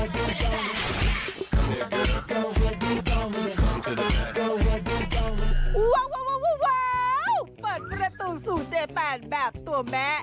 เปิดประตูสู่เจแปนแบบตัวแม้